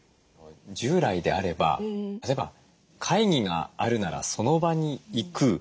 従来であれば例えば会議があるならその場に行く。